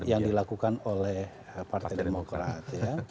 yang dilakukan oleh partai demokrat